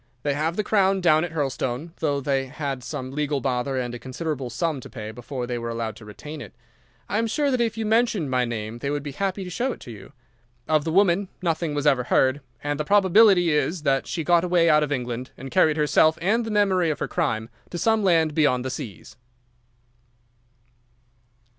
They have the crown down at Hurlstone—though they had some legal bother and a considerable sum to pay before they were allowed to retain it. I am sure that if you mentioned my name they would be happy to show it to you. Of the woman nothing was ever heard, and the probability is that she got away out of England and carried herself and the memory of her crime to some land beyond the seas."